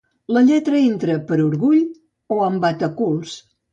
La lletra entra per orgull o amb bateculs.